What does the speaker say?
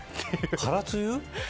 から梅雨。